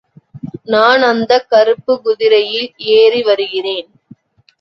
நான் அந்தக் கறுப்பு குதிரையில் ஏறி வருகிறேன்.